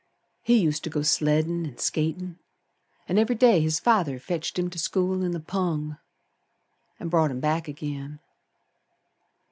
He used to go sleddin' and skatin', An' every day his father fetched him to school in the pung An' brought him back agin.